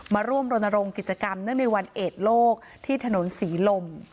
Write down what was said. มาร่วมรณรงค์กิจกรรมเนื่องในวันเอดโลกที่ถนนศรีลม